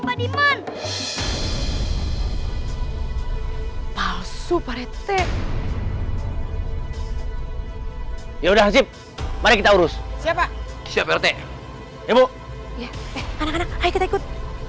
pak diman palsu parete ya udah sip mari kita urus siapa siapa te ibu hai hai kita ikut